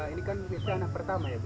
ini kan itu anak pertama ya bu